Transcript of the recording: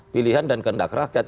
pilihan dan kendak rakyat